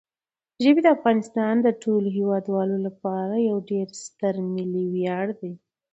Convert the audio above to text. ژبې د افغانستان د ټولو هیوادوالو لپاره یو ډېر ستر ملي ویاړ دی.